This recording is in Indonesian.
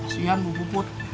sian bu bu put